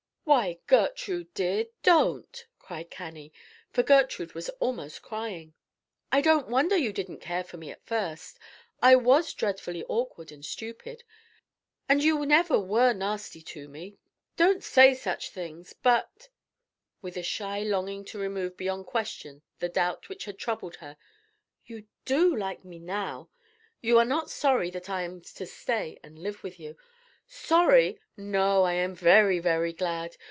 "Why, Gertrude dear, don't!" cried Cannie; for Gertrude was almost crying. "I don't wonder you didn't care for me at first. I was dreadfully awkward and stupid. And you never were nasty to me. Don't say such things! But" with a shy longing to remove beyond question the doubt which had troubled her "you do like me now? You are not sorry that I am to stay and live with you?" "Sorry! No; I am very, very glad.